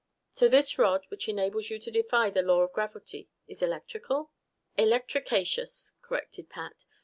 "So this rod, which enables you to defy the law of gravity, is electrical?" "Electricaceous," corrected Pat.